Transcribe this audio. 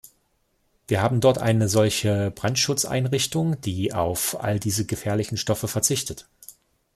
Wir haben dort eine solche Brandschutzeinrichtung, die auf all diese gefährlichen Stoffe verzichtet.